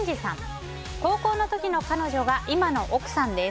高校の時の彼女が今の奥さんです。